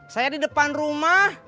saya di depan rumah